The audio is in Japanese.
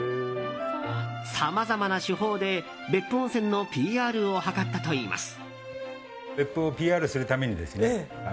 さまざまな手法で、別府温泉のＰＲを図ったといいます。